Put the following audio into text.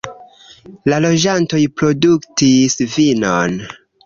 La loĝantoj produktis vinon.